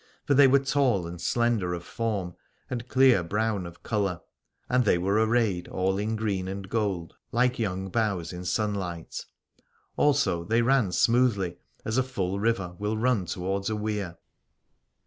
For they were tall and slender of form and clear brown of colour: and they were arrayed all in green and gold like young boughs in sunlight. Also they ran smoothly as a full river will run towards a weir.